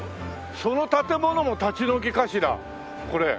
その建物も立ち退きかしらこれ。